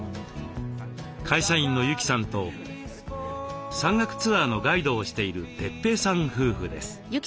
会社員の由季さんと山岳ツアーのガイドをしている哲平さん夫婦です。